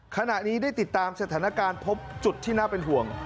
ขณะนี้ได้ติดตามสถานการณ์พบจุดที่น่าเป็นห่วง